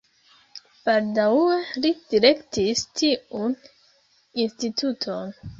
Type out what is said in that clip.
Baldaŭe li direktis tiun instituton.